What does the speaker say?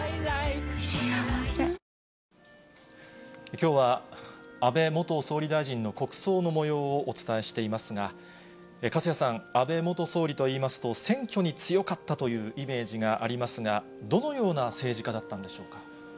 きょうは安倍元総理大臣の国葬のもようをお伝えしていますが、粕谷さん、安倍元総理といいますと、選挙に強かったというイメージがありますが、どのような政治家だったんでしょうか。